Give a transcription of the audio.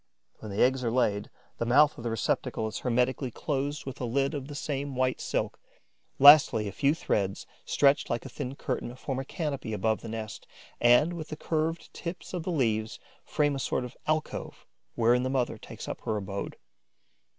When the eggs are laid, the mouth of the receptacle is hermetically closed with a lid of the same white silk. Lastly, a few threads, stretched like a thin curtain, form a canopy above the nest and, with the curved tips of the leaves, frame a sort of alcove wherein the mother takes up her abode.